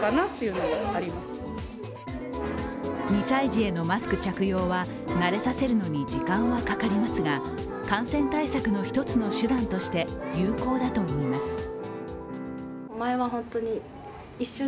２歳児へのマスク着用は慣れさせるのに時間はかかりますが感染対策の一つの手段として有効だといいます。